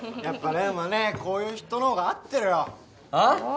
やっぱ漣はねこういう人の方が合ってるよあっ？